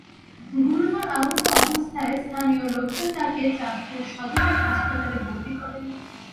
গুরুতর আহত অবস্থায় স্থানীয় লোকজন তাকে চাঁদপুর সদর হাসপাতালে ভর্তি করেন।